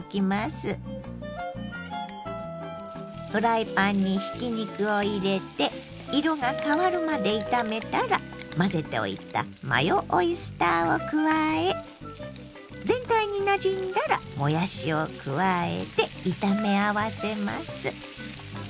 フライパンにひき肉を入れて色が変わるまで炒めたら混ぜておいたマヨオイスターを加え全体になじんだらもやしを加えて炒め合わせます。